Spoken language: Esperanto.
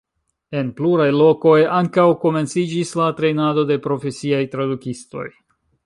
En pluraj lokoj ankaŭ komenciĝis la trejnado de profesiaj tradukistoj.